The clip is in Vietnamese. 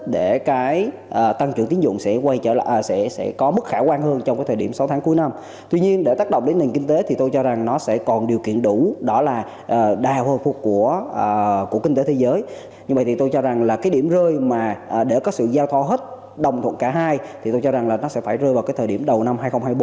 để có sự giao thoa hết đồng thuận cả hai thì tôi cho rằng là nó sẽ phải rơi vào cái thời điểm đầu năm hai nghìn hai mươi bốn